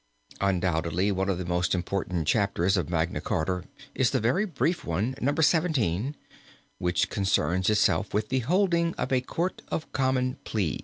Undoubtedly one of the most important chapters of Magna Charta is the very brief one, No. 17, which concerns itself with the holding of a Court of Common Pleas.